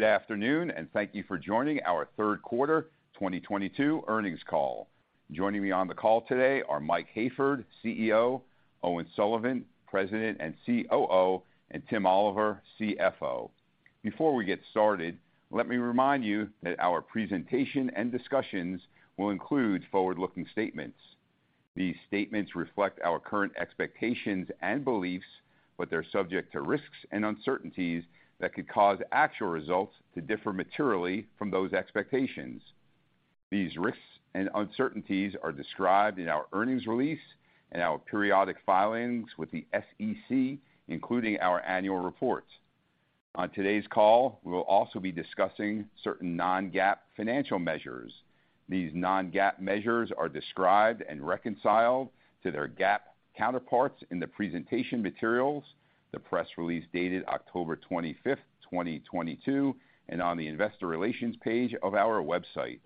Good afternoon, and thank you for joining our third quarter 2022 earnings call. Joining me on the call today are Mike Hayford, CEO, Owen Sullivan, President and COO, and Timothy Oliver, CFO. Before we get started, let me remind you that our presentation and discussions will include forward-looking statements. These statements reflect our current expectations and beliefs, but they're subject to risks and uncertainties that could cause actual results to differ materially from those expectations. These risks and uncertainties are described in our earnings release and our periodic filings with the SEC, including our annual reports. On today's call, we will also be discussing certain non-GAAP financial measures. These non-GAAP measures are described and reconciled to their GAAP counterparts in the presentation materials, the press release dated October 25th, 2022, and on the investor relations page of our website.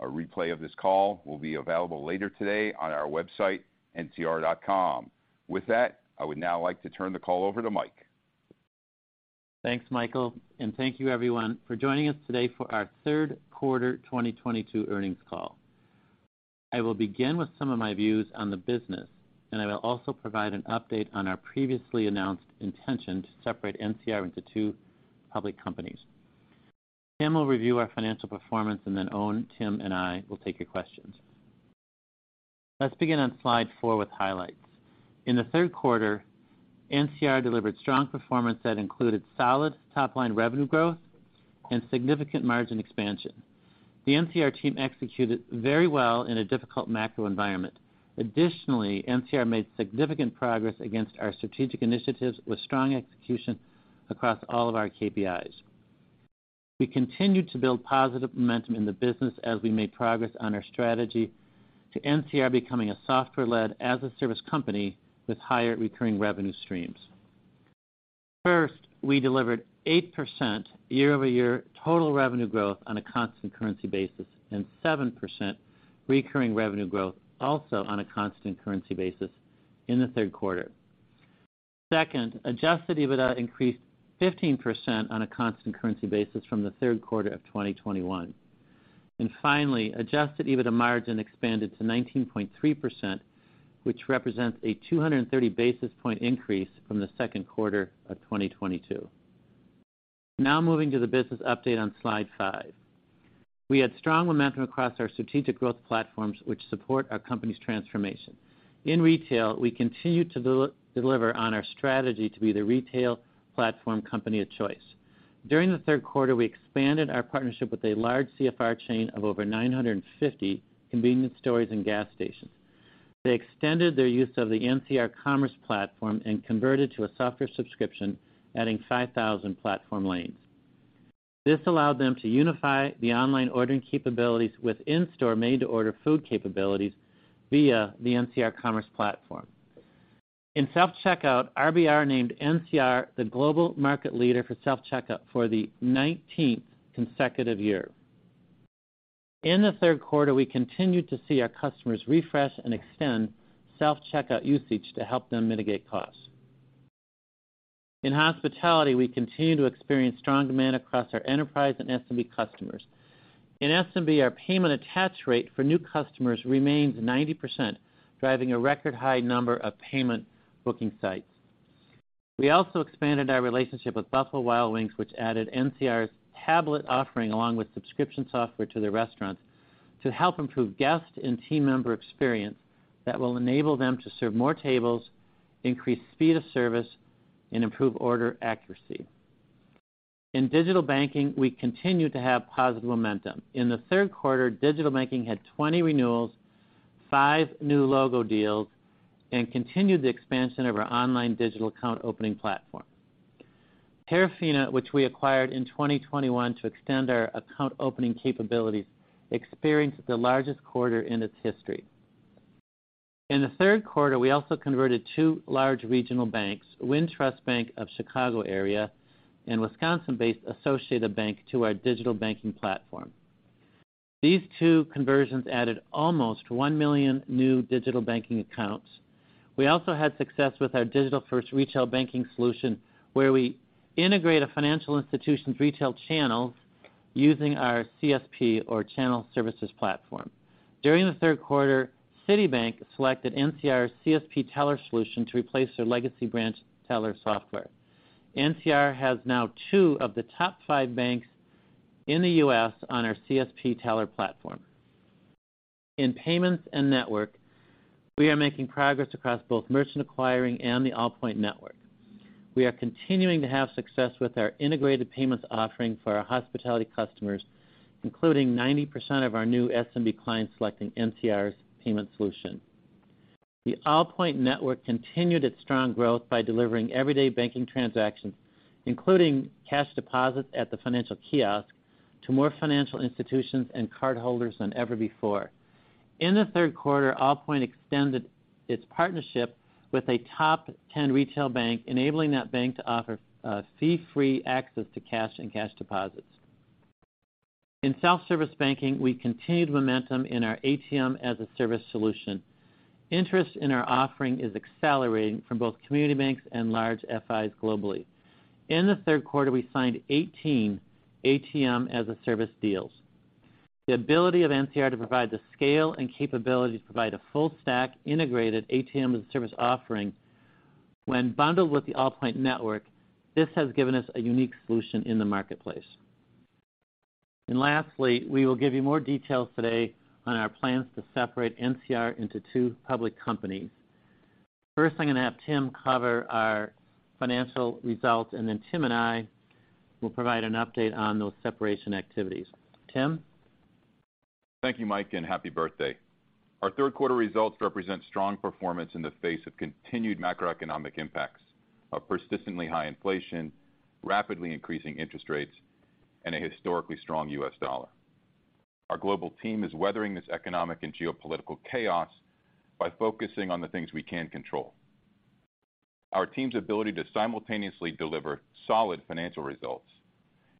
A replay of this call will be available later today on our website, ncr.com. With that, I would now like to turn the call over to Mike. Thanks, Michael, and thank you everyone for joining us today for our third quarter 2022 earnings call. I will begin with some of my views on the business, and I will also provide an update on our previously announced intention to separate NCR into two public companies. Tim will review our financial performance, and then Owen, Tim, and I will take your questions. Let's begin on slide four with highlights. In the third quarter, NCR delivered strong performance that included solid top-line revenue growth and significant margin expansion. The NCR team executed very well in a difficult macro environment. Additionally, NCR made significant progress against our strategic initiatives with strong execution across all of our KPIs. We continued to build positive momentum in the business as we made progress on our strategy to NCR becoming a software-led, as a service company with higher recurring revenue streams. First, we delivered 8% year-over-year total revenue growth on a constant currency basis, and 7% recurring revenue growth also on a constant currency basis in the third quarter. Second, adjusted EBITDA increased 15% on a constant currency basis from the third quarter of 2021. And finally, adjusted EBITDA margin expanded to 19.3%, which represents a 230 basis point increase from the second quarter of 2022. Now moving to the business update on slide five. We had strong momentum across our strategic growth platforms, which support our company's transformation. In retail, we continued to deliver on our strategy to be the retail platform company of choice. During the third quarter, we expanded our partnership with a large CFR chain of over 950 convenience stores and gas stations. They extended their use of the NCR Commerce Platform and converted to a software subscription, adding 5,000 platform lanes. This allowed them to unify the online ordering capabilities with in-store made-to-order food capabilities via the NCR Commerce Platform. In self-checkout, RBR named NCR the global market leader for self-checkout for the nineteenth consecutive year. In the third quarter, we continued to see our customers refresh and extend self-checkout usage to help them mitigate costs. In hospitality, we continue to experience strong demand across our enterprise and SMB customers. In SMB, our payment attach rate for new customers remains 90%, driving a record high number of payment booking sites. We also expanded our relationship with Buffalo Wild Wings, which added NCR's tablet offering along with subscription software to their restaurants to help improve guest and team member experience that will enable them to serve more tables, increase speed of service, and improve order accuracy. In digital banking, we continue to have positive momentum. In the third quarter, digital banking had 20 renewals, five new logo deals, and continued the expansion of our online digital account opening platform. Terafina, which we acquired in 2021 to extend our account opening capabilities, experienced the largest quarter in its history. In the third quarter, we also converted two large regional banks, Wintrust Bank of Chicago area and Wisconsin-based Associated Bank, to our digital banking platform. These two conversions added almost 1 million new digital banking accounts. We also had success with our digital-first retail banking solution, where we integrate a financial institution's retail channels using our CSP or Channel Services Platform. During the third quarter, Citibank selected NCR's CSP teller solution to replace their legacy branch teller software. NCR has now two of the top five banks in the U.S. on our CSP teller platform. In payments and network, we are making progress across both merchant acquiring and the Allpoint Network. We are continuing to have success with our integrated payments offering for our hospitality customers, including 90% of our new SMB clients selecting NCR's payment solution. The Allpoint Network continued its strong growth by delivering everyday banking transactions, including cash deposits at the financial kiosk to more financial institutions and cardholders than ever before. In the third quarter, Allpoint extended its partnership with a top 10 retail bank, enabling that bank to offer fee-free access to cash and cash deposits. In self-service banking, we continued momentum in our ATM-as-a-Service solution. Interest in our offering is accelerating from both community banks and large FIs globally. In the third quarter, we signed 18 ATM-as-a-Service deals. The ability of NCR to provide the scale and capability to provide a full stack integrated ATM-as-a-Service offering when bundled with the Allpoint network, this has given us a unique solution in the marketplace. Lastly, we will give you more details today on our plans to separate NCR into two public companies. First, I'm gonna have Tim cover our financial results, and then Tim and I will provide an update on those separation activities. Tim. Thank you, Mike, and happy birthday. Our third quarter results represent strong performance in the face of continued macroeconomic impacts of persistently high inflation, rapidly increasing interest rates, and a historically strong U.S. dollar. Our global team is weathering this economic and geopolitical chaos by focusing on the things we can control. Our team's ability to simultaneously deliver solid financial results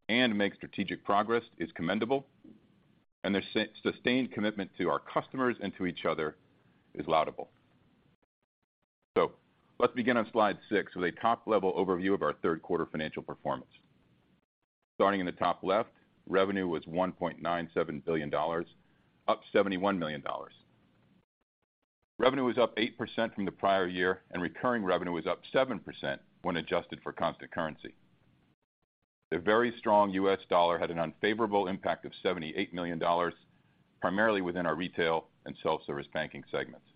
and make strategic progress is commendable, and their sustained commitment to our customers and to each other is laudable. Let's begin on slide six with a top-level overview of our third quarter financial performance. Starting in the top left, revenue was $1.97 billion, up $71 million. Revenue was up 8% from the prior year, and recurring revenue was up 7% when adjusted for constant currency. The very strong U.S. dollar had an unfavorable impact of $78 million, primarily within our retail and self-service banking segments.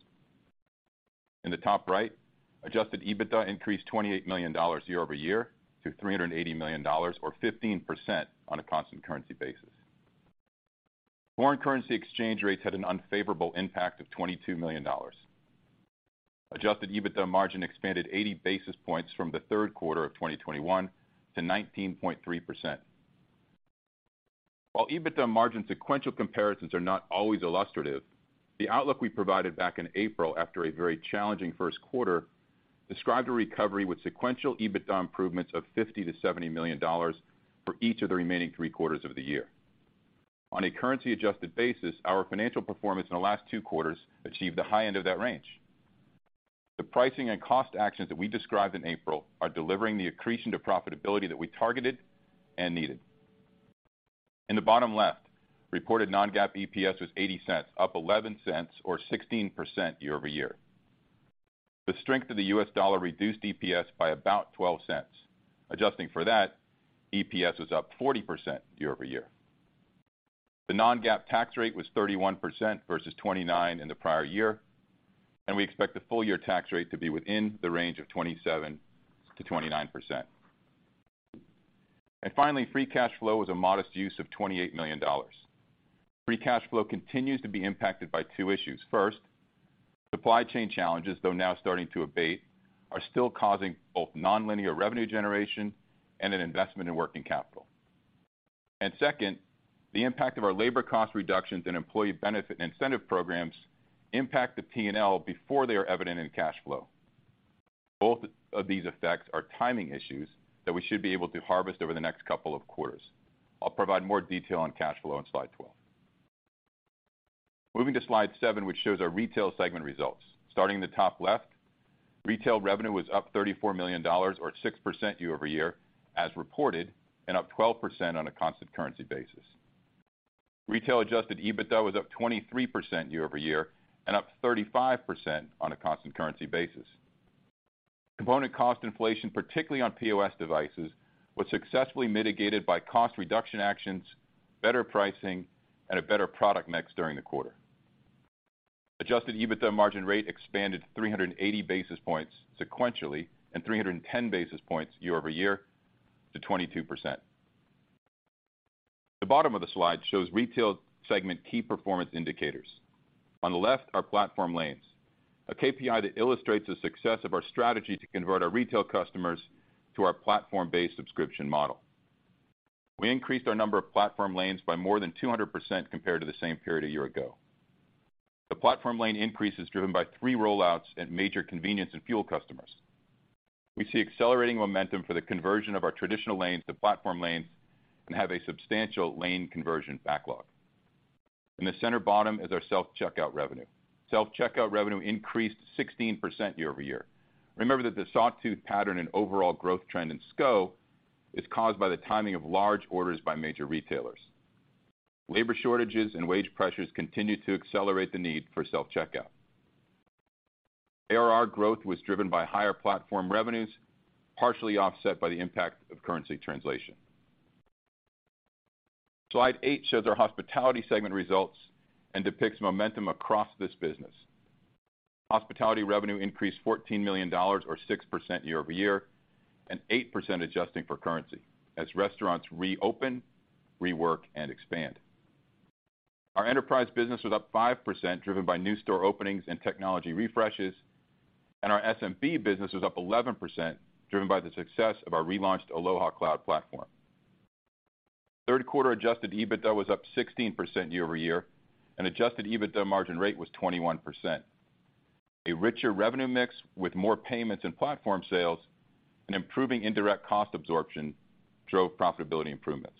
In the top right, adjusted EBITDA increased $28 million year-over-year to $380 million or 15% on a constant currency basis. Foreign currency exchange rates had an unfavorable impact of $22 million. Adjusted EBITDA margin expanded 80 basis points from the third quarter of 2021 to 19.3%. While EBITDA margin sequential comparisons are not always illustrative, the outlook we provided back in April after a very challenging first quarter described a recovery with sequential EBITDA improvements of $50 million-$70 million for each of the remaining three quarters of the year. On a currency-adjusted basis, our financial performance in the last two quarters achieved the high end of that range. The pricing and cost actions that we described in April are delivering the accretion to profitability that we targeted and needed. In the bottom left, reported non-GAAP EPS was $0.80, up $0.11 or 16% year-over-year. The strength of the U.S. dollar reduced EPS by about $0.12. Adjusting for that, EPS was up 40% year-over-year. The non-GAAP tax rate was 31% versus 29% in the prior year, and we expect the full-year tax rate to be within the range of 27%-29%. Finally, free cash flow was a modest use of $28 million. Free cash flow continues to be impacted by two issues. First, supply chain challenges, though now starting to abate, are still causing both nonlinear revenue generation and an investment in working capital. Second, the impact of our labor cost reductions and employee benefit and incentive programs impact the P&L before they are evident in cash flow. Both of these effects are timing issues that we should be able to harvest over the next couple of quarters. I'll provide more detail on cash flow on slide 12. Moving to slide seven, which shows our retail segment results. Starting in the top left, retail revenue was up $34 million or 6% year-over-year as reported and up 12% on a constant currency basis. Retail adjusted EBITDA was up 23% year-over-year and up 35% on a constant currency basis. Component cost inflation, particularly on POS devices, was successfully mitigated by cost reduction actions, better pricing, and a better product mix during the quarter. Adjusted EBITDA margin rate expanded 380 basis points sequentially and 310 basis points year over year to 22%. The bottom of the slide shows retail segment key performance indicators. On the left, our platform lanes, a KPI that illustrates the success of our strategy to convert our retail customers to our platform-based subscription model. We increased our number of platform lanes by more than 200% compared to the same period a year ago. The platform lane increase is driven by three rollouts at major convenience and fuel customers. We see accelerating momentum for the conversion of our traditional lanes to platform lanes and have a substantial lane conversion backlog. In the center bottom is our self-checkout revenue. Self-checkout revenue increased 16% year over year. Remember that the sawtooth pattern and overall growth trend in SCO is caused by the timing of large orders by major retailers. Labor shortages and wage pressures continue to accelerate the need for self-checkout. ARR growth was driven by higher platform revenues, partially offset by the impact of currency translation. Slide eight shows our hospitality segment results and depicts momentum across this business. Hospitality revenue increased $14 million or 6% year-over-year, and 8% adjusting for currency as restaurants reopen, rework, and expand. Our enterprise business was up 5%, driven by new store openings and technology refreshes, and our SMB business was up 11%, driven by the success of our relaunched Aloha Cloud platform. Third quarter adjusted EBITDA was up 16% year-over-year, and adjusted EBITDA margin rate was 21%. A richer revenue mix with more payments and platform sales and improving indirect cost absorption drove profitability improvements.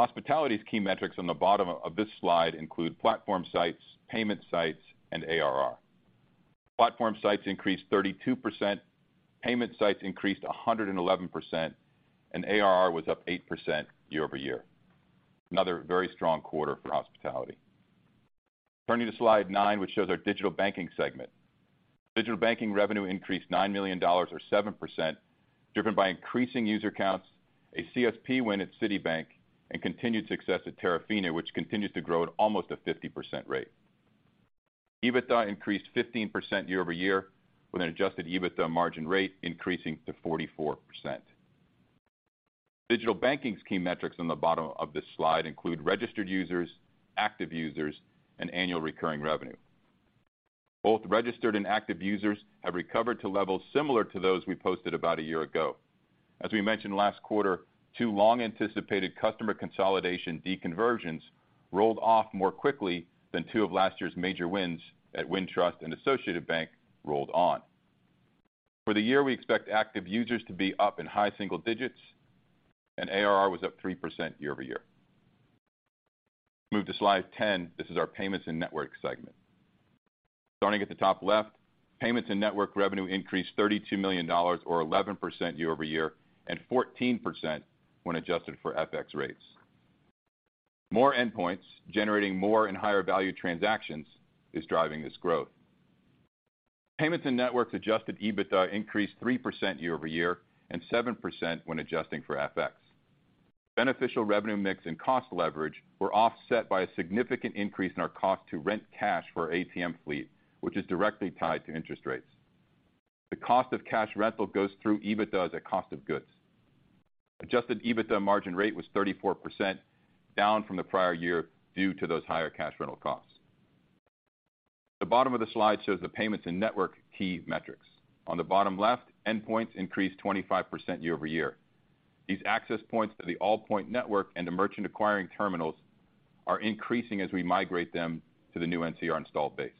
Hospitality's key metrics on the bottom of this slide include platform sites, payment sites, and ARR. Platform sites increased 32%, payment sites increased 111%, and ARR was up 8% year-over-year. Another very strong quarter for hospitality. Turning to slide nine, which shows our digital banking segment. Digital banking revenue increased $9 million or 7%, driven by increasing user counts, a CSP win at Citibank, and continued success at Terafina, which continues to grow at almost a 50% rate. EBITDA increased 15% year-over-year, with an adjusted EBITDA margin rate increasing to 44%. Digital banking's key metrics on the bottom of this slide include registered users, active users, and annual recurring revenue. Both registered and active users have recovered to levels similar to those we posted about a year ago. As we mentioned last quarter, two long-anticipated customer consolidation deconversions rolled off more quickly than two of last year's major wins at Wintrust and Associated Bank rolled on. For the year, we expect active users to be up in high single digits, and ARR was up 3% year-over-year. Move to slide 10. This is our payments and network segment. Starting at the top left, payments and network revenue increased $32 million or 11% year-over-year, and 14% when adjusted for FX rates. More endpoints generating more and higher value transactions is driving this growth. Payments and networks adjusted EBITDA increased 3% year-over-year and 7% when adjusting for FX. Beneficial revenue mix and cost leverage were offset by a significant increase in our cost to rent cash for our ATM fleet, which is directly tied to interest rates. The cost of cash rental goes through EBITDA as a cost of goods. Adjusted EBITDA margin rate was 34%, down from the prior year due to those higher cash rental costs. The bottom of the slide shows the payments and network key metrics. On the bottom left, endpoints increased 25% year-over-year. These access points to the Allpoint Network and the merchant acquiring terminals are increasing as we migrate them to the new NCR installed base.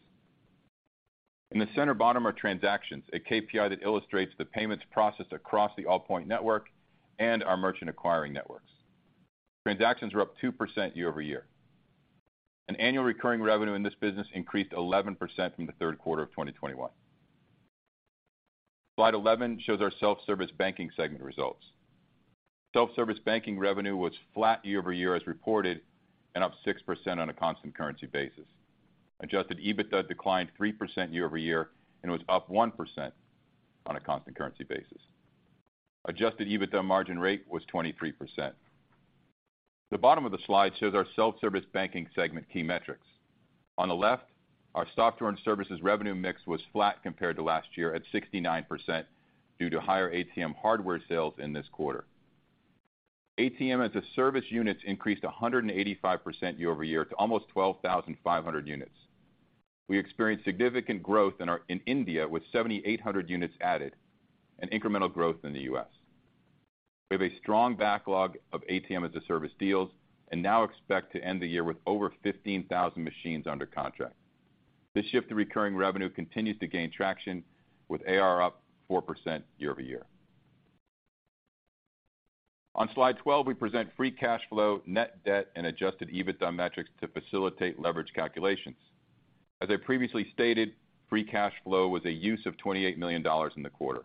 In the center bottom are transactions, a KPI that illustrates the payments processed across the Allpoint Network and our merchant acquiring networks. Transactions were up 2% year-over-year. Annual recurring revenue in this business increased 11% from the third quarter of 2021. Slide 11 shows our self-service banking segment results. Self-service banking revenue was flat year-over-year as reported and up 6% on a constant currency basis. Adjusted EBITDA declined 3% year-over-year and was up 1% on a constant currency basis. Adjusted EBITDA margin rate was 23%. The bottom of the slide shows our self-service banking segment key metrics. On the left, our software and services revenue mix was flat compared to last year at 69% due to higher ATM hardware sales in this quarter. ATM as a service units increased 185% year-over-year to almost 12,500 units. We experienced significant growth in India with 7,800 units added, and incremental growth in the U.S. We have a strong backlog of ATM-as-a-Service deals and now expect to end the year with over 15,000 machines under contract. This shift to recurring revenue continues to gain traction with ARR up 4% year-over-year. On slide 12, we present free cash flow, net debt, and adjusted EBITDA metrics to facilitate leverage calculations. As I previously stated, free cash flow was a use of $28 million in the quarter.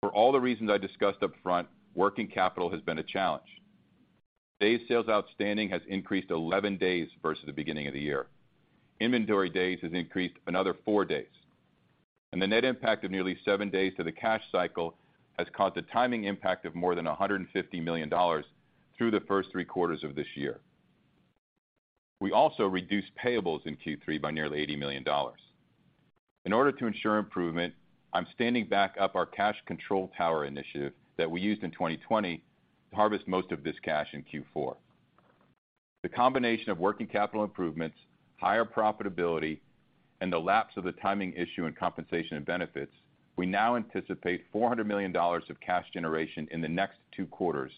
For all the reasons I discussed up front, working capital has been a challenge. Days sales outstanding has increased 11 days versus the beginning of the year. Inventory days has increased another four days. The net impact of nearly seven days to the cash cycle has caused a timing impact of more than $150 million through the first three quarters of this year. We also reduced payables in Q3 by nearly $80 million. In order to ensure improvement, I'm standing back up our cash control tower initiative that we used in 2020 to harvest most of this cash in Q4. The combination of working capital improvements, higher profitability, and the lapse of the timing issue in compensation and benefits. We now anticipate $400 million of cash generation in the next two quarters,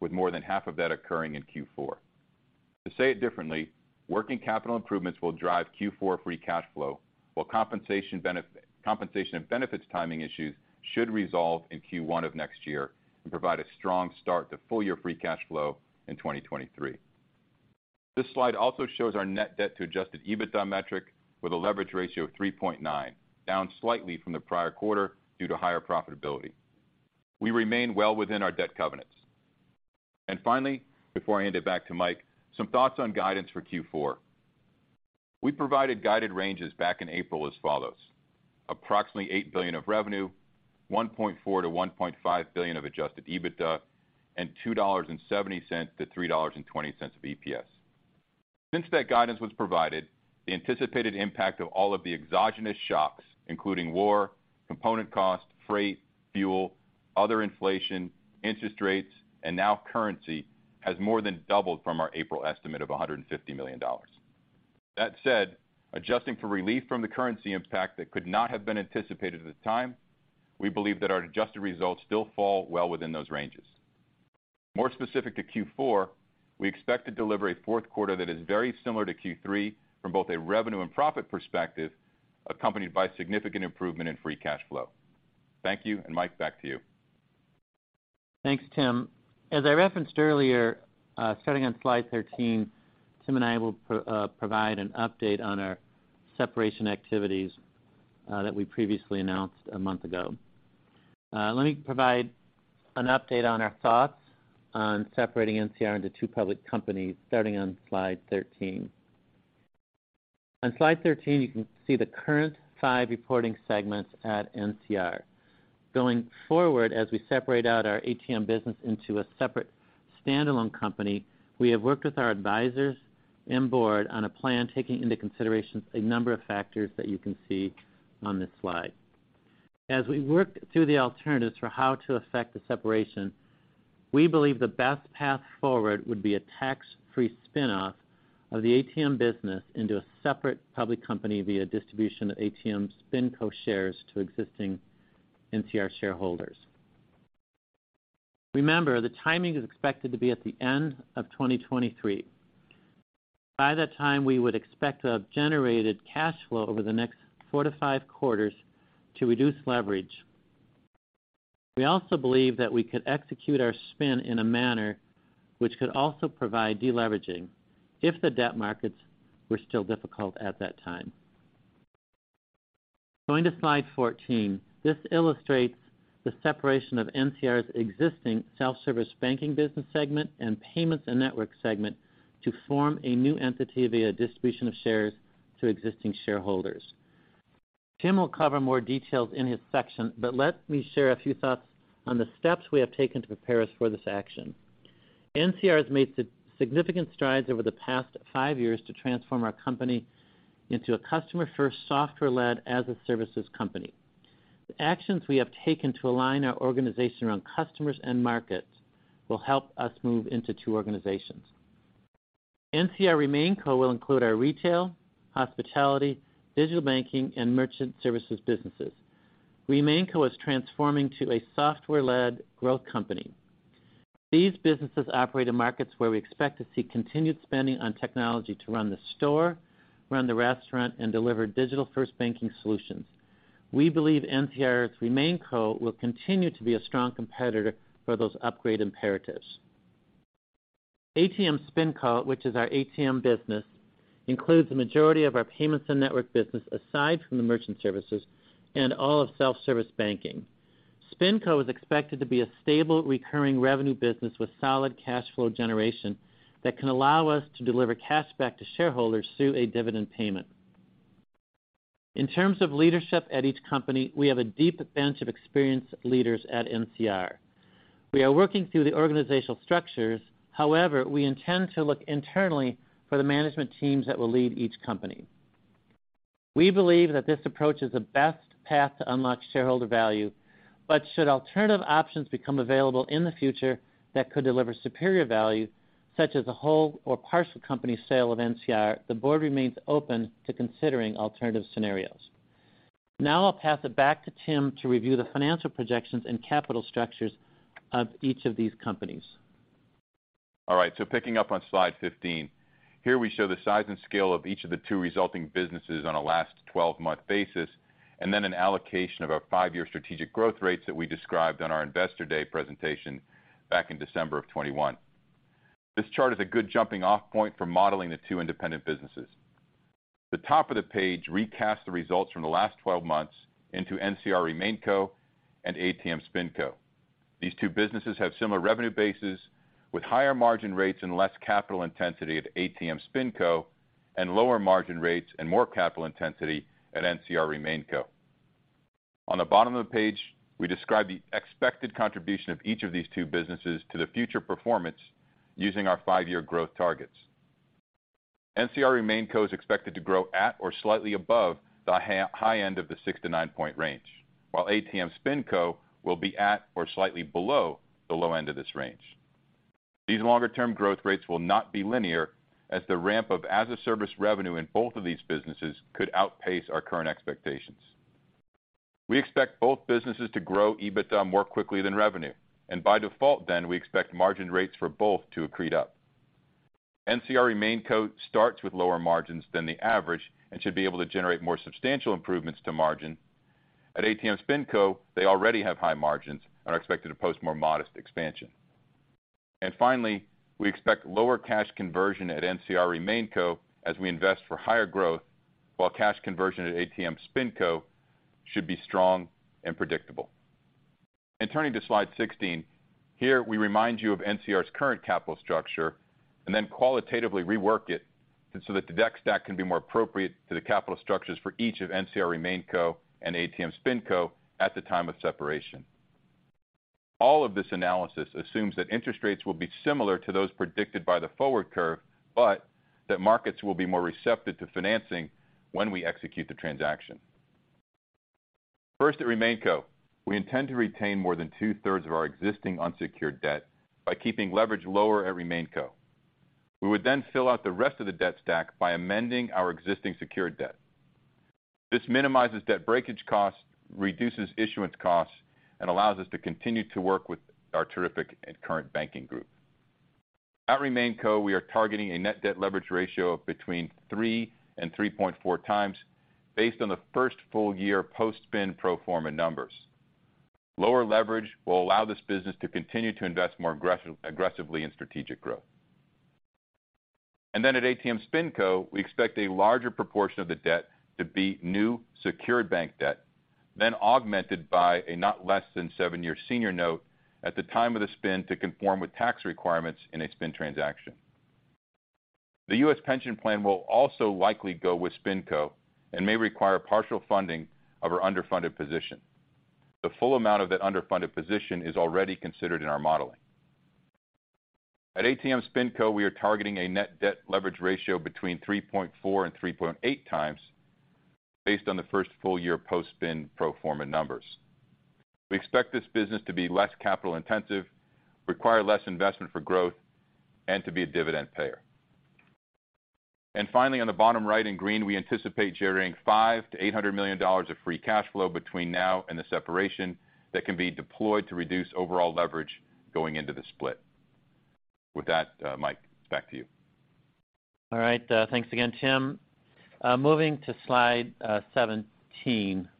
with more than half of that occurring in Q4. To say it differently, working capital improvements will drive Q4 free cash flow, while compensation and benefits timing issues should resolve in Q1 of next year and provide a strong start to full-year free cash flow in 2023. This slide also shows our net debt to adjusted EBITDA metric with a leverage ratio of 3.9, down slightly from the prior quarter due to higher profitability. We remain well within our debt covenants. Finally, before I hand it back to Mike, some thoughts on guidance for Q4. We provided guided ranges back in April as follows. Approximately $8 billion of revenue, $1.4 billion-$1.5 billion of adjusted EBITDA, and $2.70-$3.20 of EPS. Since that guidance was provided, the anticipated impact of all of the exogenous shocks, including war, component cost, freight, fuel, other inflation, interest rates, and now currency, has more than doubled from our April estimate of $150 million. That said, adjusting for relief from the currency impact that could not have been anticipated at the time, we believe that our adjusted results still fall well within those ranges. More specific to Q4, we expect to deliver a fourth quarter that is very similar to Q3 from both a revenue and profit perspective, accompanied by significant improvement in free cash flow. Thank you, and Mike, back to you. Thanks, Tim. As I referenced earlier, starting on slide 13, Tim and I will provide an update on our separation activities that we previously announced a month ago. Let me provide an update on our thoughts on separating NCR into two public companies starting on slide 13. On slide 13, you can see the current five reporting segments at NCR. Going forward, as we separate out our ATM business into a separate standalone company, we have worked with our advisors and board on a plan taking into consideration a number of factors that you can see on this slide. As we work through the alternatives for how to affect the separation, we believe the best path forward would be a tax-free spinoff of the ATM business into a separate public company via distribution of ATM SpinCo shares to existing NCR shareholders. Remember, the timing is expected to be at the end of 2023. By that time, we would expect to have generated cash flow over the next 4-5 quarters to reduce leverage. We also believe that we could execute our spin in a manner which could also provide deleveraging if the debt markets were still difficult at that time. Going to slide 14. This illustrates the separation of NCR's existing self-service banking business segment and payments and network segment to form a new entity via distribution of shares to existing shareholders. Tim will cover more details in his section, but let me share a few thoughts on the steps we have taken to prepare us for this action. NCR has made significant strides over the past five years to transform our company into a customer-first, software-led, as-a-service company. The actions we have taken to align our organization around customers and markets will help us move into two organizations. NCR RemainCo will include our retail, hospitality, digital banking, and merchant services businesses. RemainCo is transforming to a software-led growth company. These businesses operate in markets where we expect to see continued spending on technology to run the store, run the restaurant, and deliver digital-first banking solutions. We believe NCR RemainCo will continue to be a strong competitor for those upgrade imperatives. ATM SpinCo, which is our ATM business, includes the majority of our payments and network business aside from the merchant services and all of self-service banking. SpinCo is expected to be a stable recurring revenue business with solid cash flow generation that can allow us to deliver cash back to shareholders through a dividend payment. In terms of leadership at each company, we have a deep bench of experienced leaders at NCR. We are working through the organizational structures. However, we intend to look internally for the management teams that will lead each company. We believe that this approach is the best path to unlock shareholder value. Should alternative options become available in the future that could deliver superior value, such as a whole or partial company sale of NCR, the board remains open to considering alternative scenarios. Now I'll pass it back to Tim to review the financial projections and capital structures of each of these companies. All right, picking up on slide 15. Here we show the size and scale of each of the two resulting businesses on a last 12-month basis, and then an allocation of our five-year strategic growth rates that we described on our Investor Day presentation back in December 2021. This chart is a good jumping-off point for modeling the two independent businesses. The top of the page recast the results from the last 12 months into NCR RemainCo and ATM SpinCo. These two businesses have similar revenue bases with higher margin rates and less capital intensity at ATM SpinCo and lower margin rates and more capital intensity at NCR RemainCo. On the bottom of the page, we describe the expected contribution of each of these two businesses to the future performance using our five-year growth targets. NCR RemainCo is expected to grow at or slightly above the high end of the 6%-9% range, while ATM SpinCo will be at or slightly below the low end of this range. These longer-term growth rates will not be linear, as the ramp of as-a-service revenue in both of these businesses could outpace our current expectations. We expect both businesses to grow EBITDA more quickly than revenue, and by default then, we expect margin rates for both to accrete up. NCR RemainCo starts with lower margins than the average and should be able to generate more substantial improvements to margin. At ATM SpinCo, they already have high margins and are expected to post more modest expansion. Finally, we expect lower cash conversion at NCR RemainCo as we invest for higher growth, while cash conversion at ATM SpinCo should be strong and predictable. Turning to slide 16. Here, we remind you of NCR's current capital structure and then qualitatively rework it so that the debt stack can be more appropriate to the capital structures for each of NCR RemainCo and ATM SpinCo at the time of separation. All of this analysis assumes that interest rates will be similar to those predicted by the forward curve, but that markets will be more receptive to financing when we execute the transaction. First, at RemainCo, we intend to retain more than 2/3 of our existing unsecured debt by keeping leverage lower at RemainCo. We would then fill out the rest of the debt stack by amending our existing secured debt. This minimizes debt breakage costs, reduces issuance costs, and allows us to continue to work with our terrific and current banking group. At RemainCo, we are targeting a net debt leverage ratio of between 3x and 3.4x based on the first full year post-spin pro forma numbers. Lower leverage will allow this business to continue to invest more aggressively in strategic growth. At ATM SpinCo, we expect a larger proportion of the debt to be new secured bank debt, then augmented by a not less than seven-year senior note at the time of the spin to conform with tax requirements in a spin transaction. The U.S. pension plan will also likely go with SpinCo and may require partial funding of our underfunded position. The full amount of that underfunded position is already considered in our modeling. At ATM SpinCo, we are targeting a net debt leverage ratio between 3.4x and 3.8x based on the first full year post-spin pro forma numbers. We expect this business to be less capital-intensive, require less investment for growth, and to be a dividend payer. Finally, on the bottom right in green, we anticipate generating $500 million-$800 million of free cash flow between now and the separation that can be deployed to reduce overall leverage going into the split. With that, Mike, back to you. All right, thanks again, Tim. Moving to slide 17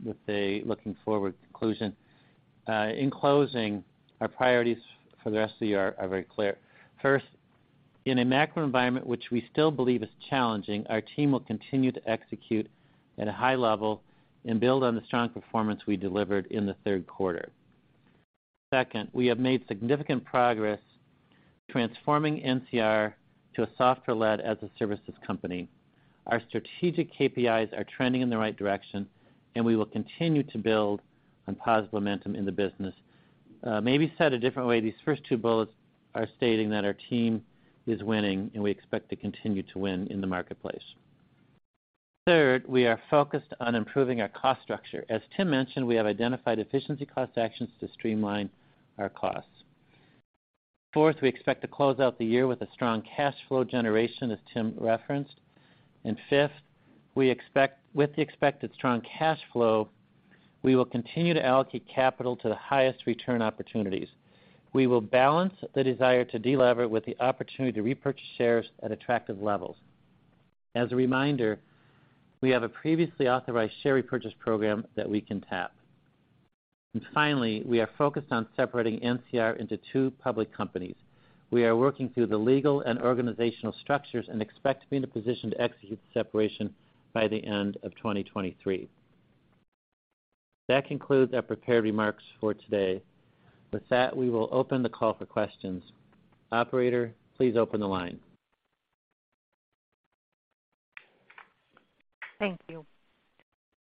with a looking forward conclusion. In closing, our priorities for the rest of the year are very clear. First, in a macro environment which we still believe is challenging, our team will continue to execute at a high level and build on the strong performance we delivered in the third quarter. Second, we have made significant progress transforming NCR to a software-led as-a-service company. Our strategic KPIs are trending in the right direction, and we will continue to build on positive momentum in the business. Maybe said a different way, these first two bullets are stating that our team is winning, and we expect to continue to win in the marketplace. Third, we are focused on improving our cost structure. As Tim mentioned, we have identified efficiency and cost actions to streamline our costs. Fourth, we expect to close out the year with a strong cash flow generation, as Tim referenced. Fifth, with the expected strong cash flow, we will continue to allocate capital to the highest return opportunities. We will balance the desire to delever with the opportunity to repurchase shares at attractive levels. As a reminder, we have a previously authorized share repurchase program that we can tap. Finally, we are focused on separating NCR into two public companies. We are working through the legal and organizational structures and expect to be in a position to execute the separation by the end of 2023. That concludes our prepared remarks for today. With that, we will open the call for questions. Operator, please open the line. Thank you.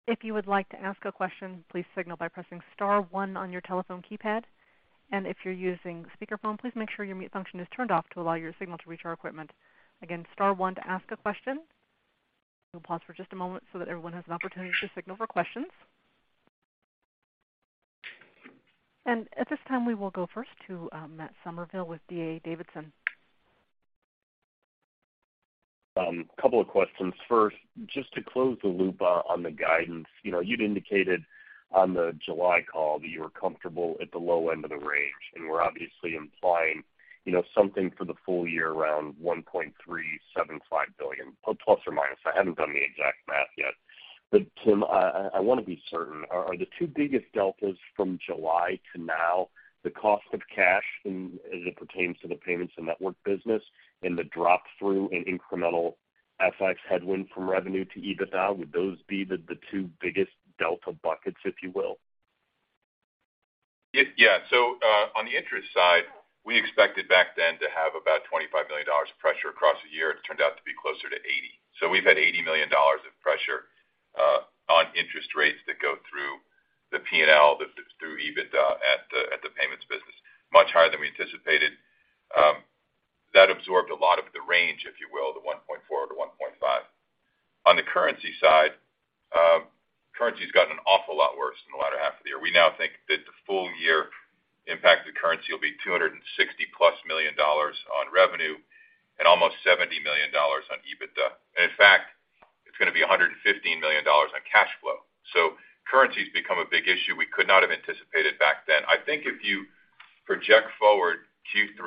If you would like to ask a question, please signal by pressing star one on your telephone keypad. If you're using speakerphone, please make sure your mute function is turned off to allow your signal to reach our equipment. Again, star one to ask a question. We'll pause for just a moment so that everyone has an opportunity to signal for questions. At this time, we will go first to Matt Summerville with D.A. Davidson. Couple of questions. First, just to close the loop on the guidance. You know, you'd indicated on the July call that you were comfortable at the low end of the range, and we're obviously implying, you know, something for the full year around $1.375± billion. I haven't done the exact math yet. Tim, I wanna be certain. Are the two biggest deltas from July to now the cost of cash in as it pertains to the payments and network business and the drop-through in incremental FX headwind from revenue to EBITDA? Would those be the two biggest delta buckets, if you will? Yeah. On the interest side, we expected back then to have about $25 million of pressure across the year. It turned out to be closer to $80 million. We've had $80 million of pressure on interest rates that go through the P&L, through EBITDA at the payments business, much higher than we anticipated. That absorbed a lot of the range, if you will, the $1.4 billion to $1.5 billion. On the currency side, currency's gotten an awful lot worse in the latter half of the year. We now think that the full year impact of currency will be $260+ million on revenue and almost $70 million on EBITDA. In fact, it's gonna be $115 million on cash flow. Currency's become a big issue we could not have anticipated back then. I think if you project forward Q3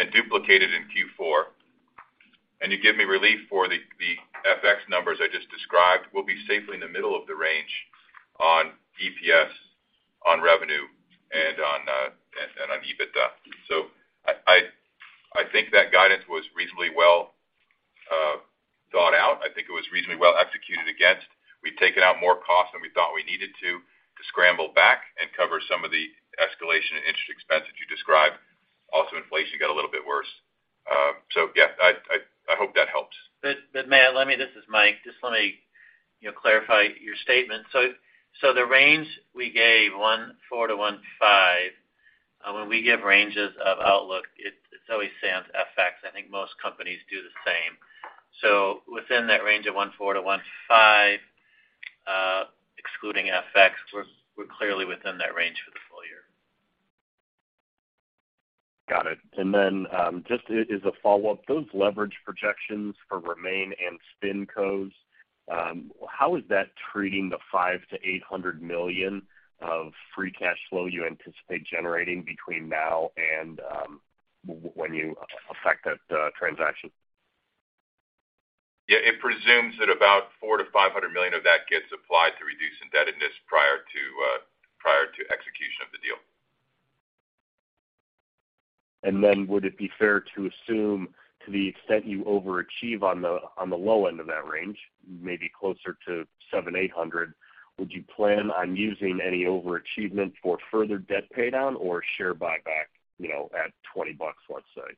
and duplicate it in Q4, and you give me relief for the FX numbers I just described, we'll be safely in the middle of the range on EPS, on revenue, and on EBITDA. I think that guidance was reasonably well thought out. I think it was reasonably well executed against. We've taken out more cost than we thought we needed to scramble back and cover some of the escalation in interest expense that you described. Also, inflation got a little bit worse. Yeah, I hope that helps. Matt, this is Mike. Just let me, you know, clarify your statement. The range we gave, $1.4 billion to $1.5 billion, when we give ranges of outlook, it's always sans FX. I think most companies do the same. Within that range of $1.4 billion to $1.5 billion, excluding FX, we're clearly within that range for the full year. Got it. Just as a follow-up, those leverage projections for Remain and SpinCos, how is that treating the $500 million-$800 million of free cash flow you anticipate generating between now and when you effect that transaction? Yeah, it presumes that about $400 million-$500 million of that gets applied to reduce indebtedness prior to execution of the deal. Would it be fair to assume to the extent you overachieve on the low end of that range, maybe closer to $700 million-$800 million, would you plan on using any overachievement for further debt pay down or share buyback, you know, at $20, let's say?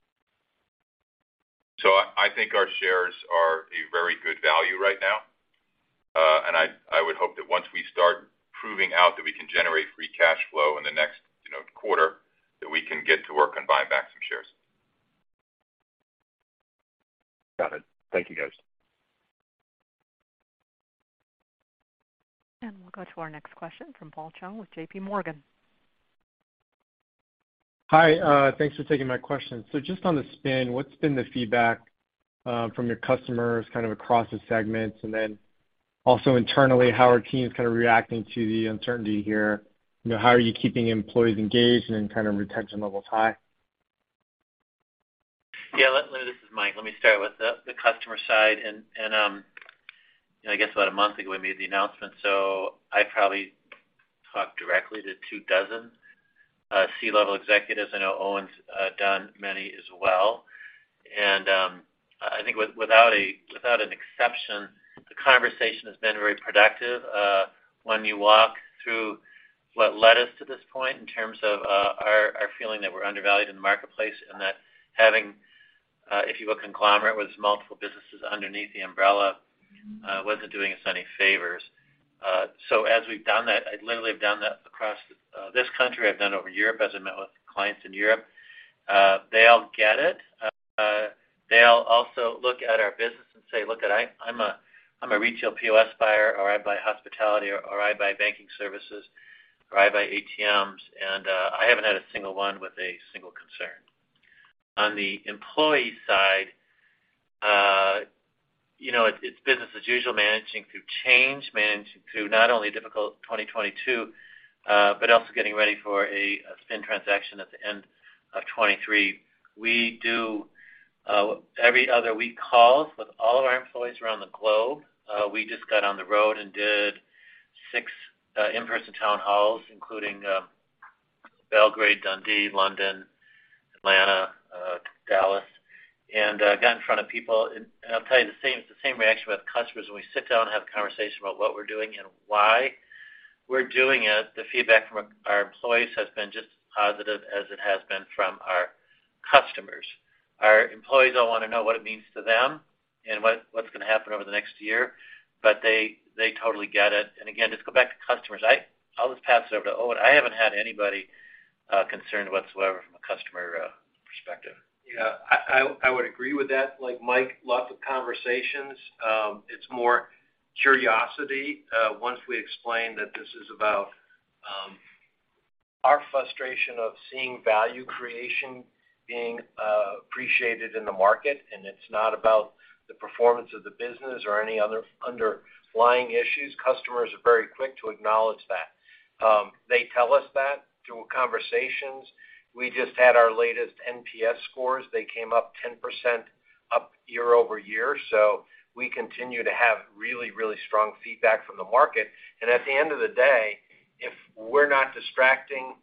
I think our shares are a very good value right now. I would hope that once we start proving out that we can generate free cash flow in the next, you know, quarter, that we can get to work on buying back some shares. Got it. Thank you, guys. We'll go to our next question from Paul Chung with JPMorgan. Hi, thanks for taking my question. Just on the spin, what's been the feedback from your customers kind of across the segments? Then also internally, how are teams kind of reacting to the uncertainty here? You know, how are you keeping employees engaged and kind of retention levels high? Yeah, this is Mike. Let me start with the customer side. You know, I guess about a month ago, we made the announcement, so I probably talked directly to a few dozen C-level executives. I know Owen's done many as well. I think without an exception, the conversation has been very productive. When you walk through what led us to this point in terms of our feeling that we're undervalued in the marketplace and that having, if you will, a conglomerate with multiple businesses underneath the umbrella wasn't doing us any favors. As we've done that, I literally have done that across this country. I've done over Europe as I met with clients in Europe. They all get it. They all also look at our business and say, "Look, I'm a retail POS buyer," or, "I buy hospitality," or, "I buy banking services," or, "I buy ATMs." I haven't had a single one with a single concern. On the employee side, you know, it's business as usual, managing through change, managing through not only difficult 2022, but also getting ready for a spin transaction at the end of 2023. We do every other week calls with all of our employees around the globe. We just got on the road and did six in-person town halls, including Belgrade, Dundee, London, Atlanta, Dallas, and got in front of people. I'll tell you the same reaction with customers when we sit down and have a conversation about what we're doing and why we're doing it. The feedback from our employees has been just as positive as it has been from our customers. Our employees all wanna know what it means to them and what's gonna happen over the next year, but they totally get it. Again, just go back to customers. I'll just pass it over to Owen. I haven't had anybody concerned whatsoever from a customer perspective. Yeah, I would agree with that. Like Mike, lots of conversations. It's more curiosity. Once we explain that this is about our frustration of seeing value creation being appreciated in the market, and it's not about the performance of the business or any other underlying issues, customers are very quick to acknowledge that. They tell us that through conversations. We just had our latest NPS scores. They came up 10% up year-over-year. We continue to have really, really strong feedback from the market. At the end of the day, if we're not distracting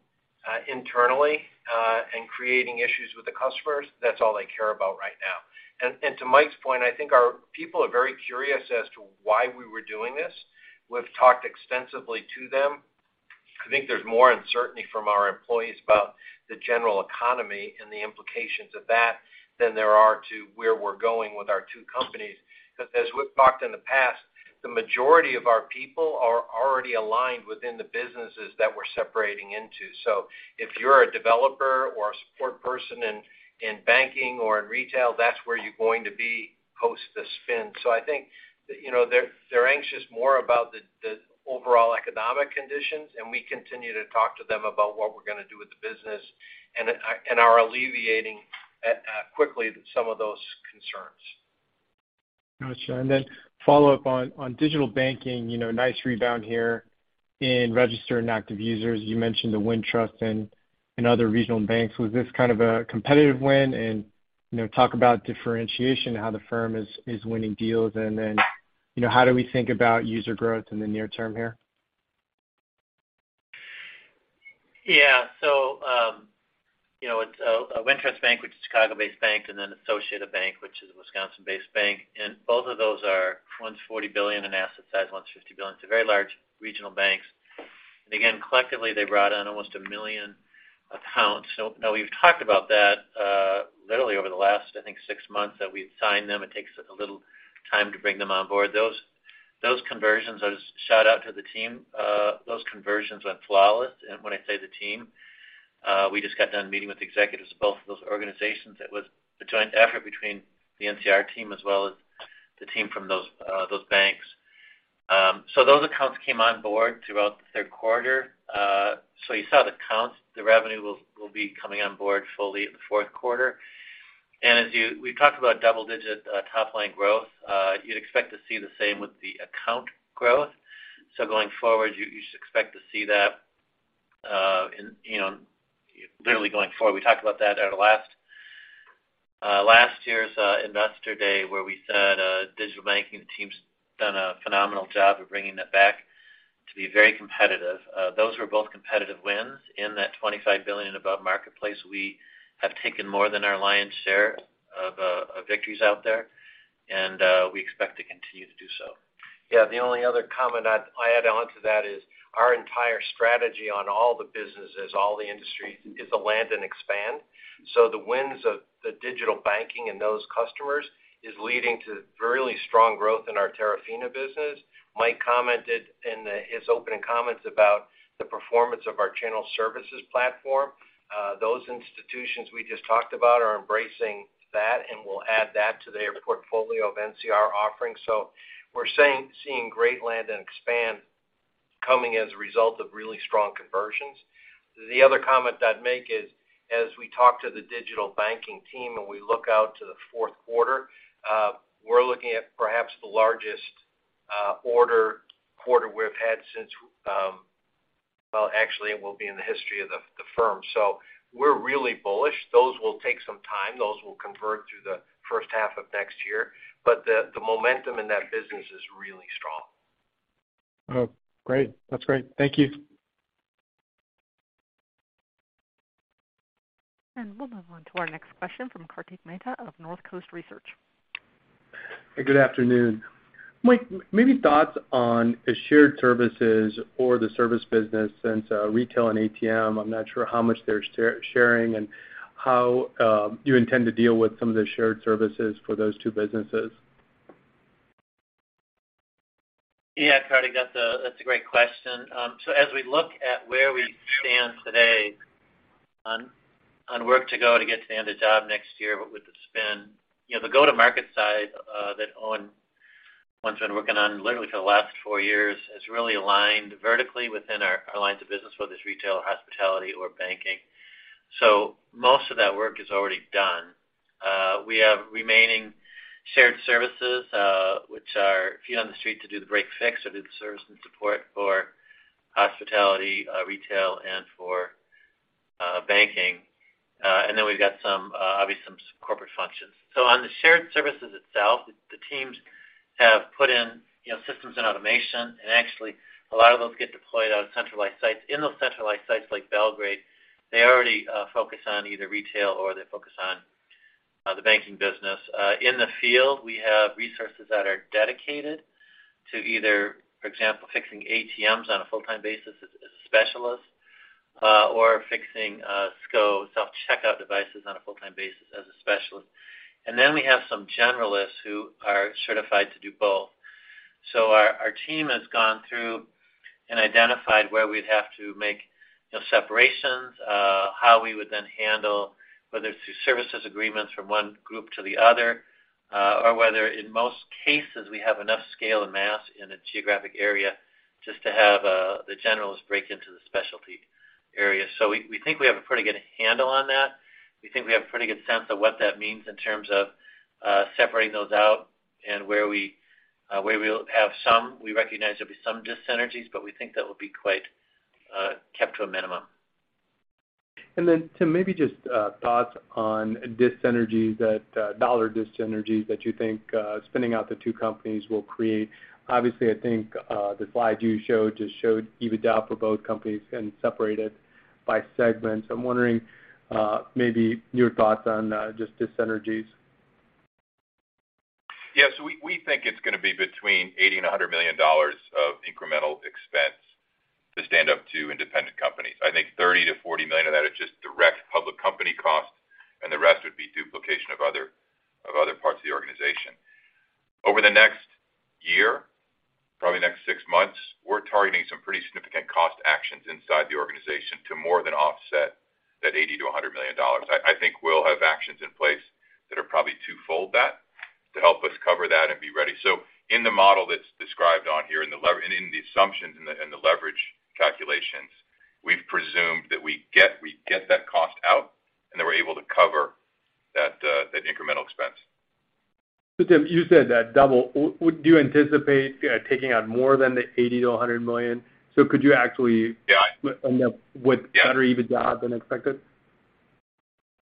internally and creating issues with the customers, that's all they care about right now. To Mike's point, I think our people are very curious as to why we were doing this. We've talked extensively to them. I think there's more uncertainty from our employees about the general economy and the implications of that than there are to where we're going with our two companies. Because as we've talked in the past, the majority of our people are already aligned within the businesses that we're separating into. If you're a developer or a support person in banking or in retail, that's where you're going to be post the spin. I think, you know, they're anxious more about the overall economic conditions, and we continue to talk to them about what we're gonna do with the business and are alleviating quickly some of those concerns. Gotcha. Then follow up on digital banking, you know, nice rebound here in registered and active users. You mentioned the Wintrust and other regional banks. Was this kind of a competitive win? You know, talk about differentiation, how the firm is winning deals and then, you know, how do we think about user growth in the near term here? It's Wintrust Bank, which is a Chicago-based bank, and then Associated Bank, which is a Wisconsin-based bank. Both of those are one's $40 billion in asset size, one's $50 billion, so very large regional banks. Again, collectively, they brought on almost a million accounts. Now we've talked about that, literally over the last, I think six months that we've signed them. It takes a little time to bring them on board. Those conversions, a shout out to the team, those conversions went flawless. When I say the team, we just got done meeting with executives of both of those organizations. It was a joint effort between the NCR team as well as the team from those banks. Those accounts came on board throughout the third quarter. You saw the counts. The revenue will be coming on board fully in the fourth quarter. As we talked about double-digit top line growth, you'd expect to see the same with the account growth. Going forward, you should expect to see that in you know literally going forward. We talked about that at our last year's Investor Day, where we said digital banking team's done a phenomenal job of bringing that back to be very competitive. Those were both competitive wins. In that $25 billion and above marketplace, we have taken more than our lion's share of victories out there, and we expect to continue to do so. Yeah. The only other comment I'd add on to that is our entire strategy on all the businesses, all the industry is to land and expand. The wins of the digital banking and those customers is leading to really strong growth in our Terafina business. Mike commented in his opening comments about the performance of our Channel Services Platform. Those institutions we just talked about are embracing that, and we'll add that to their portfolio of NCR offerings. We're seeing great land and expand coming as a result of really strong conversions. The other comment I'd make is, as we talk to the digital banking team and we look out to the fourth quarter, we're looking at perhaps the largest order quarter we've had since, well, actually it will be in the history of the firm. We're really bullish. Those will take some time. Those will convert through the first half of next year, but the momentum in that business is really strong. Oh, great. That's great. Thank you. We'll move on to our next question from Kartik Mehta of Northcoast Research. Good afternoon. Mike, maybe thoughts on the shared services or the service business since retail and ATM, I'm not sure how much they're sharing and how you intend to deal with some of the shared services for those two businesses. Yeah, Kartik, that's a great question. As we look at where we stand today on work to go to get to the end goal next year, but with the spend, you know, the go-to-market side that Owen has been working on literally for the last four years is really aligned vertically within our lines of business, whether it's retail, hospitality or banking. Most of that work is already done. We have remaining shared services, which are feet on the street to do the break fix or do the service and support for hospitality, retail and for banking. And then we've got some obviously some corporate functions. On the shared services itself, the teams have put in, you know, systems and automation, and actually a lot of those get deployed out of centralized sites. In those centralized sites like Belgrade, they already focus on either retail or they focus on the banking business. In the field, we have resources that are dedicated to either, for example, fixing ATMs on a full-time basis as a specialist or fixing SCO, self-checkout devices on a full-time basis as a specialist. We have some generalists who are certified to do both. Our team has gone through and identified where we'd have to make, you know, separations, how we would then handle, whether it's through services agreements from one group to the other or whether in most cases, we have enough scale and mass in a geographic area just to have the generalists break into the specialty area. We think we have a pretty good handle on that. We think we have a pretty good sense of what that means in terms of, separating those out and where we, where we'll have some. We recognize there'll be some dis-synergies, but we think that will be quite, kept to a minimum. Tim, maybe just thoughts on dis-synergies that dollar dis-synergies that you think spinning out the two companies will create. Obviously, I think the slide you showed just showed EBITDA for both companies and separated by segments. I'm wondering maybe your thoughts on just dis-synergies. Yes. We think it's gonna be between $80 million and $100 million of incremental expense to stand up two independent companies. I think $30 million-$40 million of that is just direct public company costs, and the rest would be duplication of other parts of the organization. Over the next year, probably next six months, we're targeting some pretty significant cost actions inside the organization to more than offset that $80 million-$100 million. I think we'll have actions in place that are probably twofold that to help us cover that and be ready. In the model that's described on here, in the assumptions and the leverage calculations, we've presumed that we get that cost out, and then we're able to cover that incremental expense. Tim, you said that double. Would you anticipate taking out more than the $80 million-$100 million? Could you actually- Yeah. end up with better EBITDA than expected?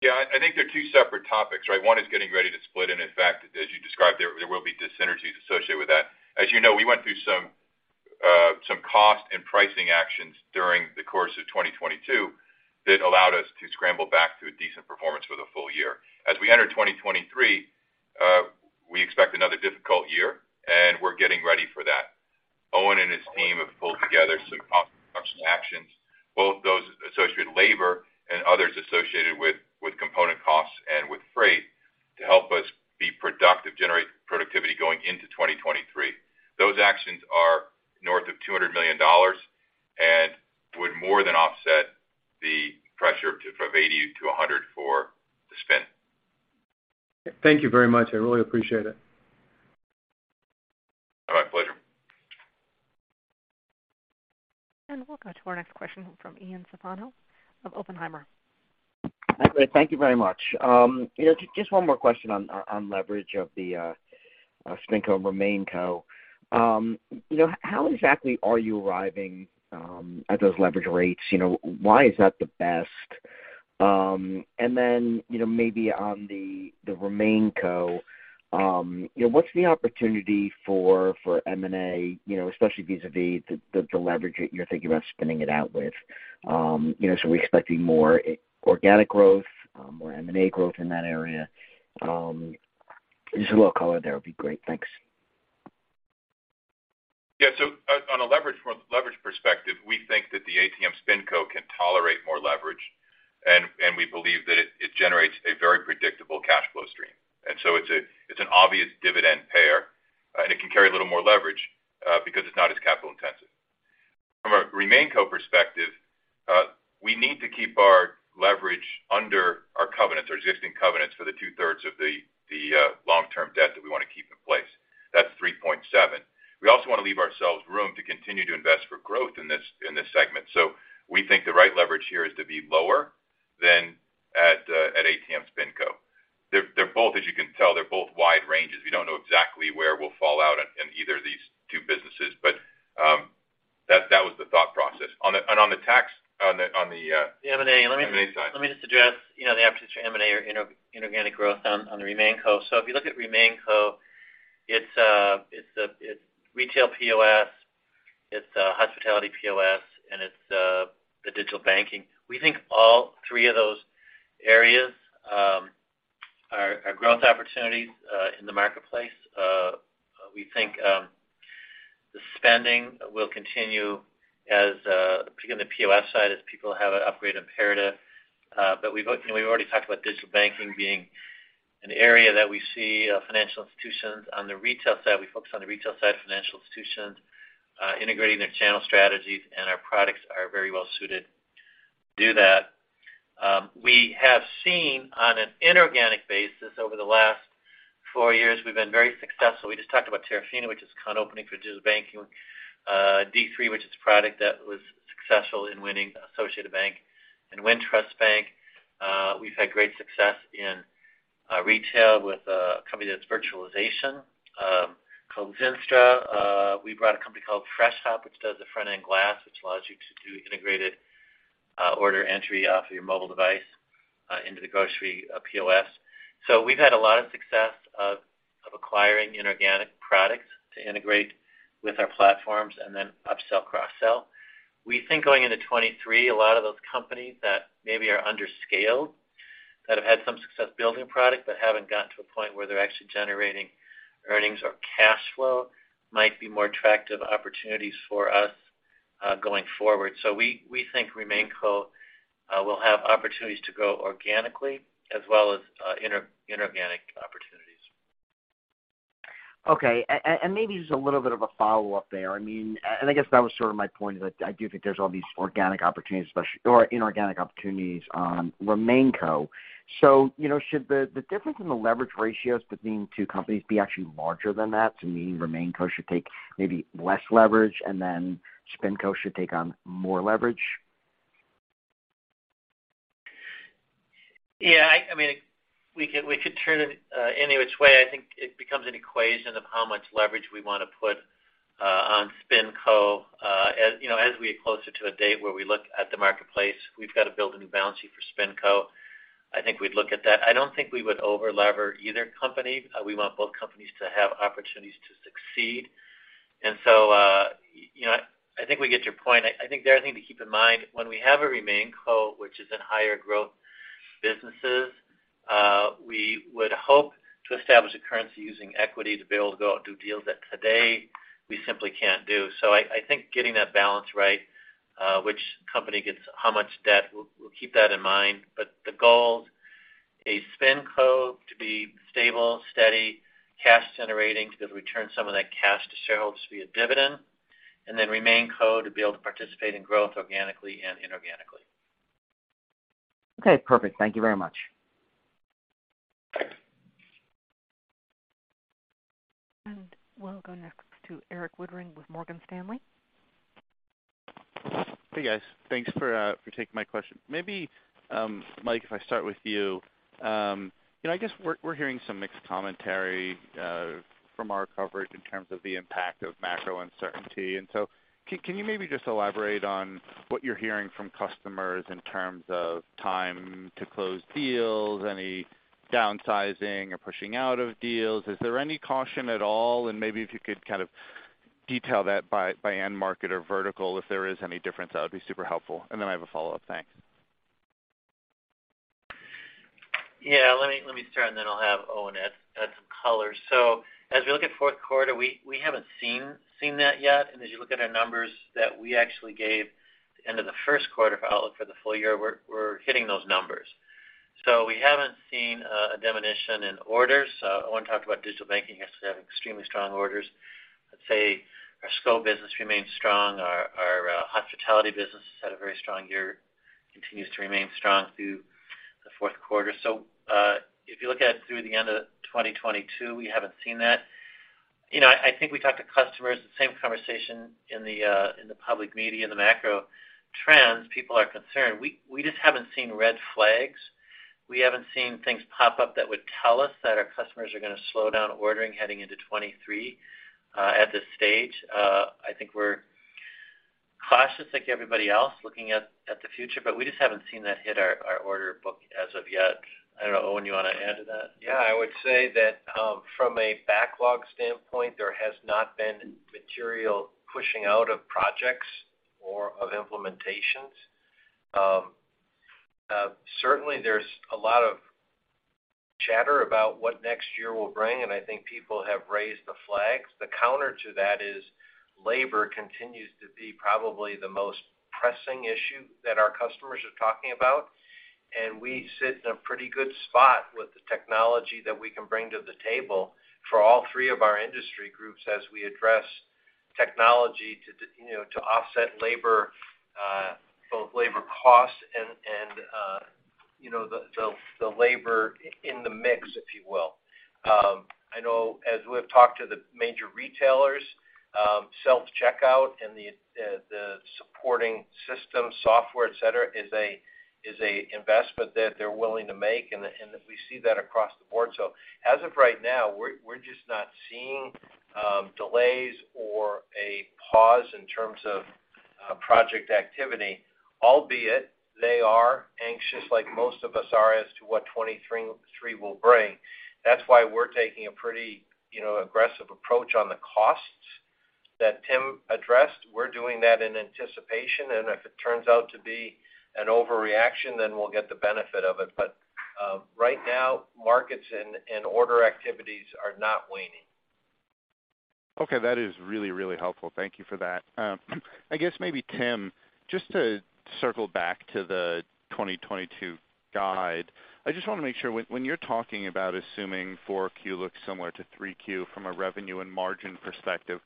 Yeah. I think they're two separate topics, right? One is getting ready to split, and in fact, as you described, there will be dis-synergies associated with that. As you know, we went through some cost and pricing actions during the course of 2022 that allowed us to scramble back to a decent performance for the full year. As we enter 2023, we expect another difficult year, and we're getting ready for that. Owen and his team have pulled together some cost reduction actions, both those associated with labor and others associated with component costs and with freight to help us be productive, generate productivity going into 2023. Those actions are north of $200 million and would more than offset the pressure from $80 million-$100 million for the spin. Thank you very much. I really appreciate it. My pleasure. We'll go to our next question from Ian Zaffino of Oppenheimer. Hi, great. Thank you very much. Just one more question on leverage of the SpinCo and RemainCo. You know, how exactly are you arriving at those leverage rates? You know, why is that the best? You know, maybe on the RemainCo, you know, what's the opportunity for M&A, you know, especially vis-à-vis the leverage that you're thinking about spinning it out with. You know, are we expecting more organic growth, more M&A growth in that area? Just a little color there would be great. Thanks. Yeah. From a leverage perspective, we think that the ATM SpinCo can tolerate more leverage, and we believe that it generates a very predictable cash flow stream. It's an obvious dividend payer, and it can carry a little more leverage, because it's not as capital intensive. From a RemainCo perspective, we need to keep our leverage under our covenants, our existing covenants for the 2/3 of the long-term debt that we wanna keep in place. That's 3.7%. We also wanna leave ourselves room to continue to invest for growth in this segment. We think the right leverage here is to be lower than at ATM SpinCo. They're both, as you can tell, wide ranges. We don't know exactly where we'll fall out in either of these two businesses, but that was the thought process. The M&A. M&A side. Let me just address, you know, the opportunity for M&A or inorganic growth on the RemainCo. If you look at RemainCo, it's retail POS, it's hospitality POS, and it's the digital banking. We think all three of those areas are growth opportunities in the marketplace. We think the spending will continue, particularly on the POS side, as people have an upgrade imperative. But you know we've already talked about digital banking being an area that we see financial institutions on the retail side. We focus on the retail side, financial institutions, integrating their channel strategies, and our products are very well suited to do that. We have seen on an inorganic basis over the last four years, we've been very successful. We just talked about Terafina, which is kind of opening for digital banking. D3, which is a product that was successful in winning Associated Bank and Wintrust Bank. We've had great success in retail with a company that's virtualization called Zynstra. We bought a company called Freshop, which does the front-end glass, which allows you to do integrated order entry off of your mobile device into the grocery POS. We've had a lot of success of acquiring inorganic products to integrate with our platforms and then upsell, cross-sell. We think going into 2023, a lot of those companies that maybe are under scaled, that have had some success building a product but haven't gotten to a point where they're actually generating earnings or cash flow might be more attractive opportunities for us going forward. We think RemainCo will have opportunities to grow organically as well as inorganic opportunities. Maybe just a little bit of a follow-up there. I mean, and I guess that was sort of my point, is that I do think there's all these organic opportunities, especially or inorganic opportunities on RemainCo. You know, should the difference in the leverage ratios between two companies be actually larger than that? Meaning RemainCo should take maybe less leverage, and then SpinCo should take on more leverage? Yeah, I mean, we could turn it any which way. I think it becomes an equation of how much leverage we wanna put on SpinCo. As you know, as we get closer to a date where we look at the marketplace, we've got to build a new balance sheet for SpinCo. I think we'd look at that. I don't think we would over-lever either company. We want both companies to have opportunities to succeed. You know, I think we get your point. I think the other thing to keep in mind, when we have a RemainCo which is in higher growth businesses, we would hope to establish a currency using equity to be able to go out and do deals that today we simply can't do. I think getting that balance right, which company gets how much debt, we'll keep that in mind. The goal, a SpinCo to be stable, steady cash generating to be able to return some of that cash to shareholders via dividend, and then RemainCo to be able to participate in growth organically and inorganically. Okay, perfect. Thank you very much. We'll go next to Erik Woodring with Morgan Stanley. Hey, guys. Thanks for taking my question. Maybe, Mike, if I start with you. You know, I guess we're hearing some mixed commentary from our coverage in terms of the impact of macro uncertainty. Can you maybe just elaborate on what you're hearing from customers in terms of time to close deals, any downsizing or pushing out of deals? Is there any caution at all? Maybe if you could kind of detail that by end market or vertical, if there is any difference, that would be super helpful. I have a follow-up. Thanks. Yeah, let me start, and then I'll have Owen add some color. As we look at fourth quarter, we haven't seen that yet. As you look at our numbers that we actually gave at the end of the first quarter for outlook for the full year, we're hitting those numbers. We haven't seen a diminution in orders. Owen talked about digital banking has to have extremely strong orders. Let's say our SCO business remains strong. Our hospitality business has had a very strong year. Continues to remain strong through the fourth quarter. If you look at it through the end of 2022, we haven't seen that. You know, I think we talked to customers, the same conversation in the public media and the macro trends, people are concerned. We just haven't seen red flags. We haven't seen things pop up that would tell us that our customers are gonna slow down ordering heading into 2023, at this stage. I think we're cautious like everybody else looking at the future, but we just haven't seen that hit our order book as of yet. I don't know, Owen, you wanna add to that? Yeah, I would say that from a backlog standpoint, there has not been material pushing out of projects or of implementations. Certainly there's a lot of chatter about what next year will bring, and I think people have raised the flags. The counter to that is labor continues to be probably the most pressing issue that our customers are talking about, and we sit in a pretty good spot with the technology that we can bring to the table for all three of our industry groups as we address technology you know, to offset labor both labor costs and you know, the labor in the mix, if you will. I know as we've talked to the major retailers, self-checkout and the supporting system software, et cetera, is an investment that they're willing to make, and we see that across the board. As of right now, we're just not seeing delays or a pause in terms of project activity, albeit they are anxious like most of us are as to what 2023 will bring. That's why we're taking a pretty, you know, aggressive approach on the costs that Tim addressed. We're doing that in anticipation, and if it turns out to be an overreaction, then we'll get the benefit of it. Right now, markets and order activities are not waning. Okay, that is really, really helpful. Thank you for that. I guess maybe Tim, just to circle back to the 2022 guide, I just wanna make sure when you're talking about assuming 4Q looks similar to 3Q from a revenue and margin perspective,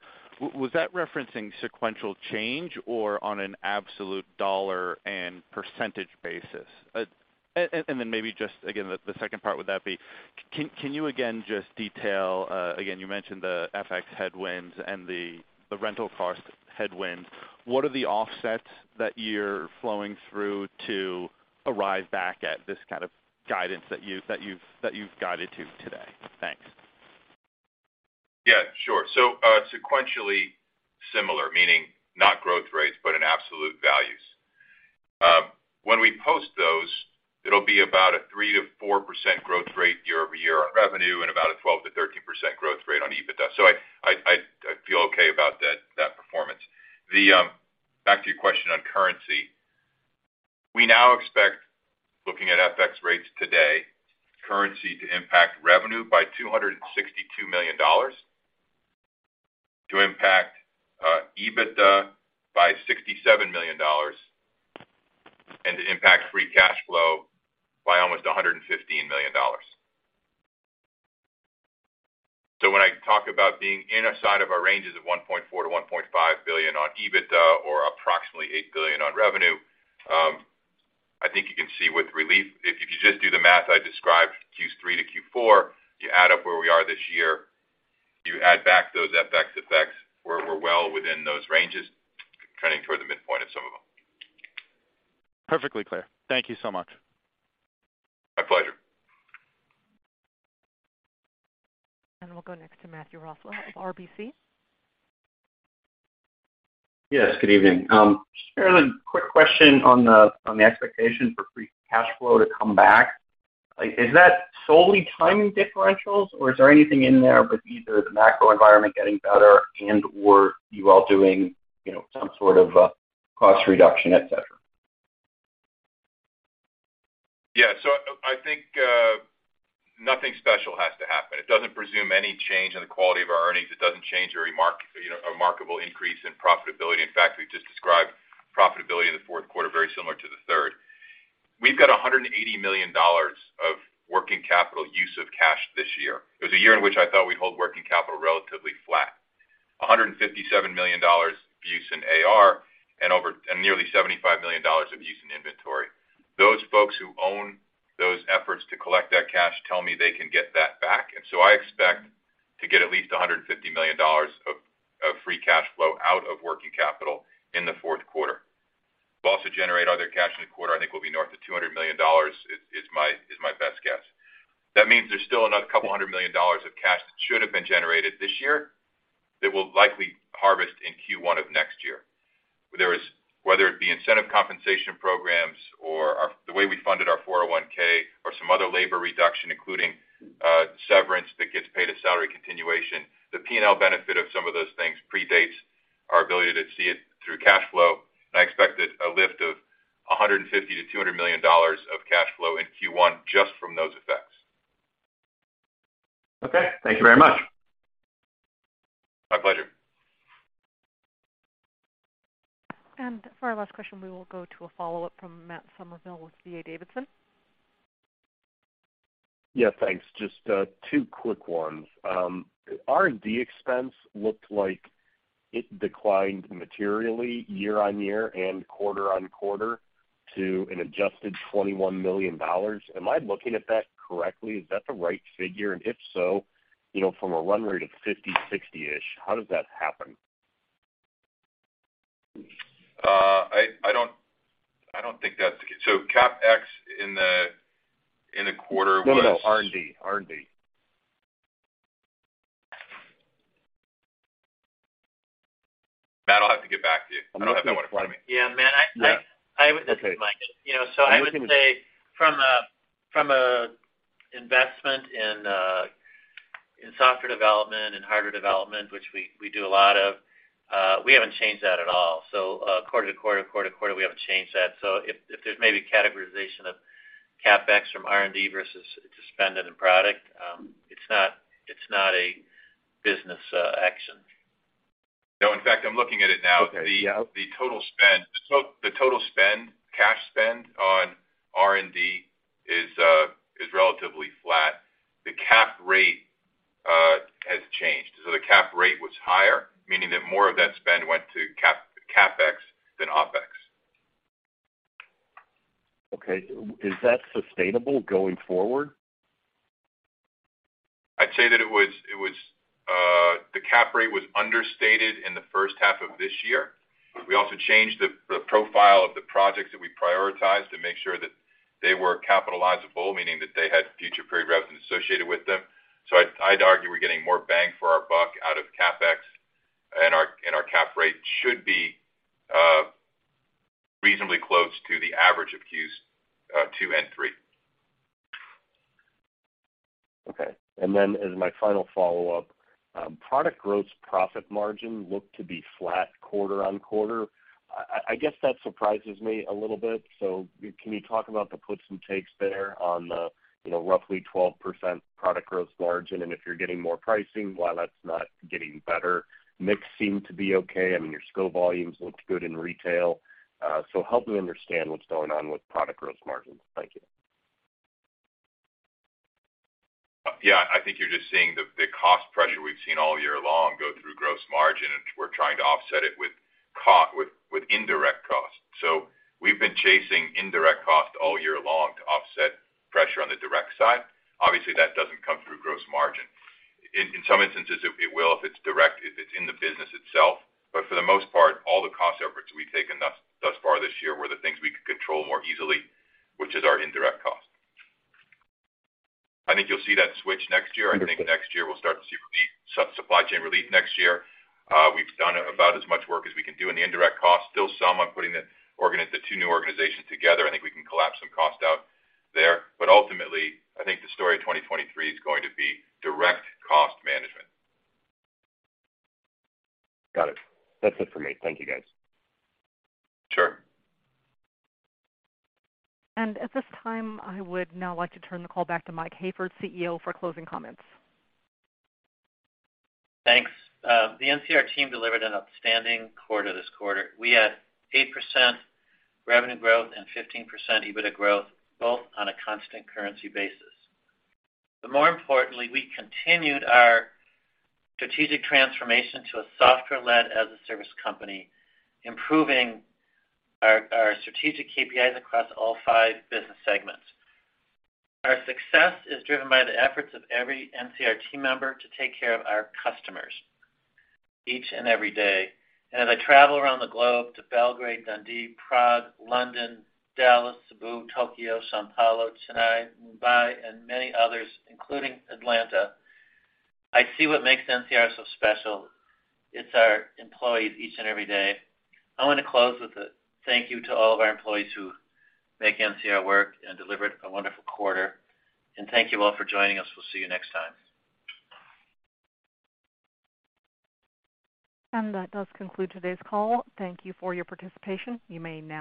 was that referencing sequential change or on an absolute dollar and percentage basis? And then maybe just again, the second part, would that be, can you again just detail, again, you mentioned the FX headwinds and the rental cost headwinds. What are the offsets that you're flowing through to arrive back at this kind of guidance that you've guided to today? Thanks. Yeah, sure. Sequentially similar, meaning not growth rates, but in absolute values. When we post those, it'll be about a 3%-4% growth rate year-over-year on revenue and about a 12%-13% growth rate on EBITDA. I feel okay about that performance. Back to your question on currency, we now expect, looking at FX rates today, currency to impact revenue by $262 million, to impact EBITDA by $67 million, and to impact free cash flow by almost $115 million. When I talk about being inside of our ranges of $1.4 billion-$1.5 billion on EBITDA or approximately $8 billion on revenue, I think you can see with relief, if you just do the math I described Q3 to Q4, you add up where we are this year, you add back those FX effects, we're well within those ranges, trending toward the midpoint of some of them. Perfectly clear. Thank you so much. My pleasure. We'll go next to Matthew Roswell of RBC. Yes, good evening. Just a quick question on the expectation for free cash flow to come back. Like, is that solely timing differentials, or is there anything in there with either the macro environment getting better and/or you all doing, you know, some sort of cost reduction, et cetera? Yeah. I think nothing special has to happen. It doesn't presume any change in the quality of our earnings. It doesn't change you know, a remarkable increase in profitability. In fact, we've just described profitability in the fourth quarter very similar to the third. We've got $180 million of working capital use of cash this year. It was a year in which I thought we'd hold working capital relatively flat. $157 million of use in AR and nearly $75 million of use in inventory. Those folks who own those efforts to collect that cash tell me they can get that back. I expect to get at least $150 million of free cash flow out of working capital in the fourth quarter. We'll also generate other cash in the quarter. I think we'll be north of $200 million. That is my best guess. That means there's still another couple hundred million dollars of cash that should have been generated this year that we'll likely harvest in Q1 of next year. There is, whether it be incentive compensation programs or the way we funded our 401(k), or some other labor reduction, including severance that gets paid as salary continuation, the P&L benefit of some of those things predates our ability to see it through cash flow, and I expect a lift of $150 million-$200 million of cash flow in Q1 just from those effects. Okay. Thank you very much. My pleasure. For our last question, we will go to a follow-up from Matt Summerville with D.A. Davidson. Yeah, thanks. Just two quick ones. R&D expense looked like it declined materially year-over-year and quarter-over-quarter to an adjusted $21 million. Am I looking at that correctly? Is that the right figure? If so, you know, from a run rate of $50 million, $60 million-ish, how does that happen? I don't think. CapEx in the quarter was No. R&D. Matt, I'll have to get back to you. I don't have that in front of me. This is Mike. You know, I would say from a investment in software development and hardware development, which we do a lot of, we haven't changed that at all. Quarter-to-quarter, we haven't changed that. If there's maybe categorization of CapEx from R&D versus to spend on a product, it's not a business action. No, in fact, I'm looking at it now. Okay. Yeah. The total spend, cash spend on R&D is relatively flat. The cap rate has changed. The cap rate was higher, meaning that more of that spend went to CapEx than OpEx. Okay. Is that sustainable going forward? I'd say that it was the CapEx rate was understated in the first half of this year. We also changed the profile of the projects that we prioritized to make sure that they were capitalizable, meaning that they had future period revenue associated with them. I'd argue we're getting more bang for our buck out of CapEx, and our CapEx rate should be reasonably close to the average of Q2 and Q3. Okay. As my final follow-up, product gross profit margin looked to be flat quarter-on-quarter. I guess that surprises me a little bit, so can you talk about the puts and takes there on the, you know, roughly 12% product gross margin, and if you're getting more pricing, why that's not getting better? Mix seemed to be okay. I mean, your scope volumes looked good in retail. Help me understand what's going on with product gross margins. Thank you. Yeah. I think you're just seeing the cost pressure we've seen all year long go through gross margin, and we're trying to offset it with with indirect cost. We've been chasing indirect cost all year long to offset pressure on the direct side. Obviously, that doesn't come through gross margin. In some instances, it will if it's direct, if it's in the business itself. But for the most part, all the cost efforts we've taken thus far this year were the things we could control more easily, which is our indirect cost. I think you'll see that switch next year. I think next year we'll start to see some supply chain relief next year. We've done about as much work as we can do in the indirect costs. Still some on putting the two new organizations together. I think we can collapse some cost out there. Ultimately, I think the story of 2023 is going to be direct cost management. Got it. That's it for me. Thank you, guys. Sure. At this time, I would now like to turn the call back to Mike Hayford, CEO, for closing comments. Thanks. The NCR team delivered an outstanding quarter this quarter. We had 8% revenue growth and 15% EBITDA growth, both on a constant currency basis. More importantly, we continued our strategic transformation to a software-led as a service company, improving our strategic KPIs across all five business segments. Our success is driven by the efforts of every NCR team member to take care of our customers each and every day. As I travel around the globe to Belgrade, Dundee, Prague, London, Dallas, Cebu, Tokyo, São Paulo, Chennai, Mumbai, and many others, including Atlanta, I see what makes NCR so special. It's our employees each and every day. I wanna close with a thank you to all of our employees who make NCR work and delivered a wonderful quarter. Thank you all for joining us. We'll see you next time. That does conclude today's call. Thank you for your participation. You may now disconnect.